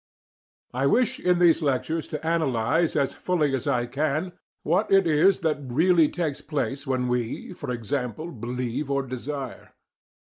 I wish in these lectures to analyse as fully as I can what it is that really takes place when we, e.g. believe or desire.